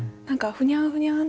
「ふにゃんふにゃん」。